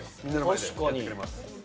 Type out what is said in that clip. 確かに。